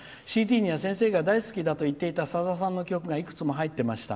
ＣＤには先生が大好きだと言っていたさださんの曲がいくつも入っていました。